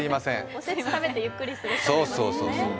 お節食べてゆっくりする人もいますね